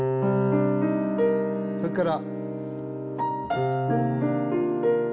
それから。